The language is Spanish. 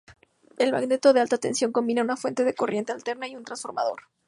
La "magneto de alta tensión" combina una fuente de corriente alterna y un transformador.